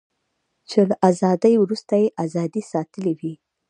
چې له ازادۍ وروسته یې ازادي ساتلې وي.